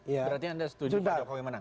berarti anda setuju pak jokowi menang